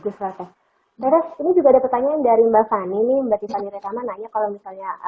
turun sih bagus banget dari juga ada pertanyaan dari mbak fani mbak fani rekaman aja kalau misalnya